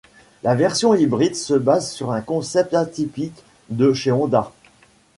La version hybride se base sur un concept atypique de chez Honda.